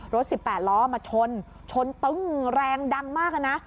รถ๑๘ล้อมาชนชนตึ้งแรงดังมากนะ